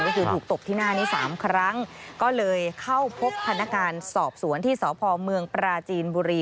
ก็คือถูกตบที่หน้านี้สามครั้งก็เลยเข้าพบพนักงานสอบสวนที่สพเมืองปราจีนบุรี